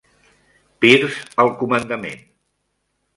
Pierce al comandament.